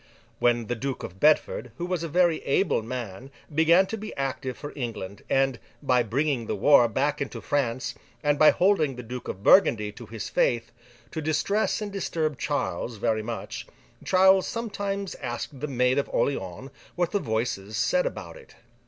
When the Duke of Bedford, who was a very able man, began to be active for England, and, by bringing the war back into France and by holding the Duke of Burgundy to his faith, to distress and disturb Charles very much, Charles sometimes asked the Maid of Orleans what the Voices said about it?